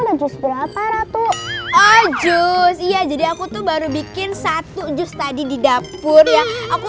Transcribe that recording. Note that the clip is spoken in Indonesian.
ada justru apa ratu aja iya jadi aku tuh baru bikin satu just tadi di dapur ya aku